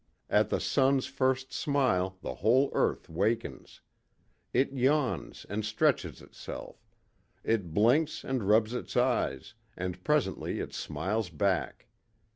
At the sun's first smile the whole earth wakens; it yawns and stretches itself; it blinks and rubs its eyes, and presently it smiles back.